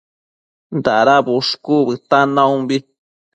Dada bushcu bëtan naumbi